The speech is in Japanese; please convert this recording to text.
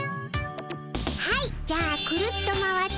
はいじゃあくるっと回って。